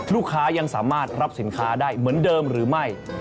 ลูกค้ายังสามารถรับสินค้าได้เหมือนเดิมหรือไม่